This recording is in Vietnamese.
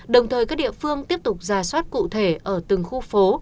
đồng thời các địa phương tiếp tục ra soát cụ thể ở từng khu phố